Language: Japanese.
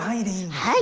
はい。